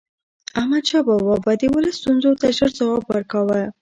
احمد شاه بابا به د ولس ستونزو ته ژر جواب ورکاوه.